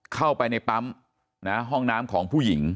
เข้าไปในปั๊มห้องน้ำของผู้หญิง